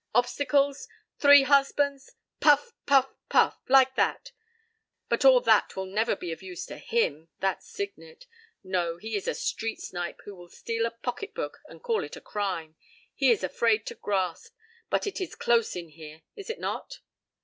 Obstacles? Three husbands? Puff puff puff! Like that!—But all that will never be of use to him. That Signet! No, he is a street snipe who will steal a pocketbook and call it a crime. He is afraid to grasp.—But it is close in here, is it not?"